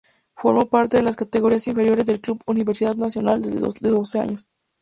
Formó parte de las categorías inferiores del Club Universidad Nacional desde los doce años.